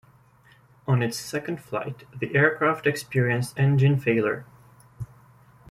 On its second flight, the aircraft experienced engine failure.